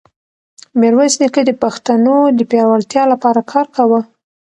میرویس نیکه د پښتنو د پیاوړتیا لپاره کار کاوه.